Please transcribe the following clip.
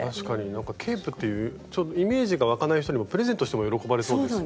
なんかケープっていうイメージが湧かない人にもプレゼントしても喜ばれそうですね。